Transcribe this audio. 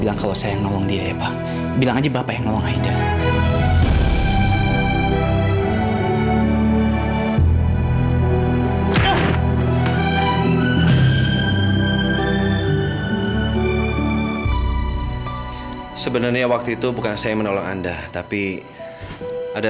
aku selalu mendoakan yang terbaik buat kamu maida